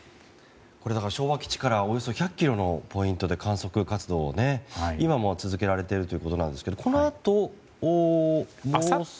昭和基地からおよそ１００ｋｍの地点で観測活動を今も続けられているということなんですが。